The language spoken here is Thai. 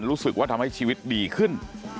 รู้สึกว่าทำให้ชีวิตดีขึ้น